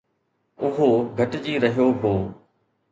اهو گهٽجي رهيو هو